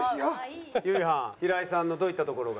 ゆいはん平井さんのどういったところが？